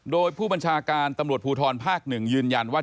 โดยผู้บัญชาการตำรวจภูทรภาค๑ยืนยันว่า